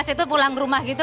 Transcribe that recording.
mas itu pulang ke rumah gitu